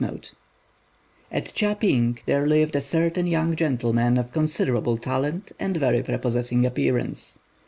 At Chia p'ing there lived a certain young gentleman of considerable talent and very prepossessing appearance.